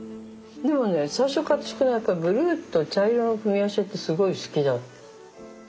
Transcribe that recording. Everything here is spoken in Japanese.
でもね最初から私これなんかブルーと茶色の組み合わせってすごい好きだったのよね。